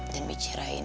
dan bicara ini